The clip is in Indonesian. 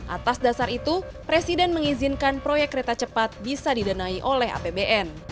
atas dasar itu presiden mengizinkan proyek kereta cepat bisa didanai oleh apbn